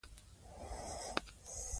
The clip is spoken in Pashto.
فایبر د کولمو ګټورو بکتریاوو لپاره مهم دی.